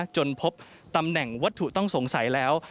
จนพบตำแหน่งวัตถุต้องสงสัยแล้ว